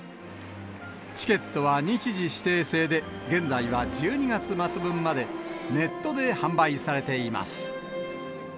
チケットは日時指定制で、現在は１２月末分までネットで販売されています。